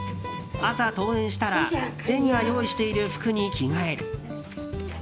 朝、登園したら園が用意している服に着替える。